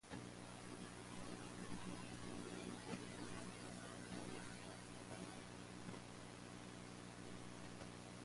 When they perform live, they may have backing vocalists who impersonate their voices.